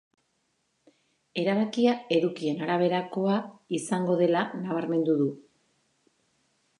Erabakia edukien araberakoa izango dela nabarmendu du.